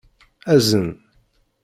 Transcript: Azen.